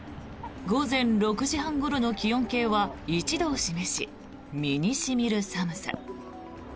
午前６時半ごろの気温計は１度を示し身に染みる寒さ。